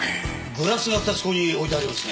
グラスが２つここに置いてありますね。